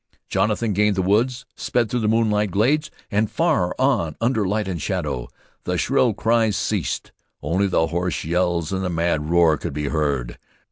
Jonathan gained the woods, sped through the moonlit glades, and far on under light and shadow. The shrill cries ceased; only the hoarse yells and the mad roar could be heard.